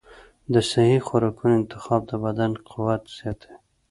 د صحي خوراکونو انتخاب د بدن قوت زیاتوي.